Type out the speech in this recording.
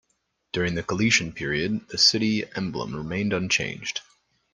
During the Galician period the city emblem remained unchanged.